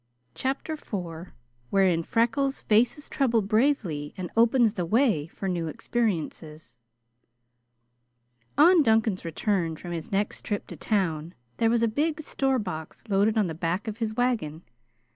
CHAPTER IV Wherein Freckles Faces Trouble Bravely and Opens the Way for New Experiences On Duncan's return from his next trip to town there was a big store box loaded on the back of his wagon.